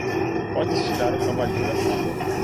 Podes tirar o cavalinho da chuva.